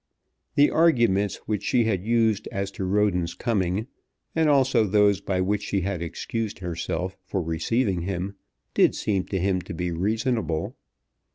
The arguments which she had used as to Roden's coming, and also those by which she had excused herself for receiving him, did seem to him to be reasonable.